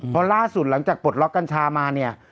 เพราะล่าสุดหลังจากปลดล็อกกัญชามาเนี่ย